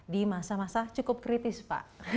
di masa masa cukup kritis pak